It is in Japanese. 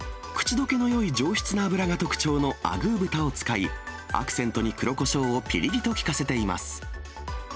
口どけのよい上質な脂が特徴のアグー豚を使い、アクセントに黒コショウをぴりりと利かせています。